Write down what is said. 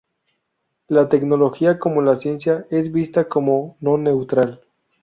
La tecnología, como la ciencia, es vista como no neutral.